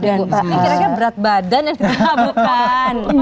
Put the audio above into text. ini kira kira berat badan yang ditaburkan